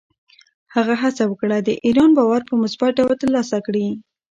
هغه هڅه وکړه، د ایران باور په مثبت ډول ترلاسه کړي.